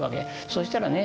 そしたらね。